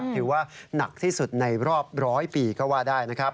ถือว่าหนักที่สุดในรอบร้อยปีก็ว่าได้นะครับ